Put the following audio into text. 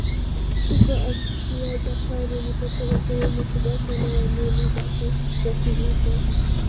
Huko Asia Japan ilipoteza sehemu kubwa sana ya meli zake za kivita